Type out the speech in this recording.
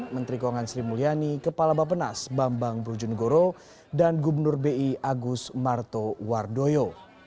menteri kewangan sri mulyani kepala bapenas bambang brujonegoro dan gubernur bi agus marto wardoyo